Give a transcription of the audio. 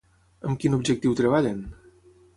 Amb quin objectiu treballen?